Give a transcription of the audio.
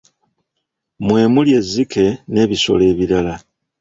Mwe muli ezzike n'ebisolo ebirala.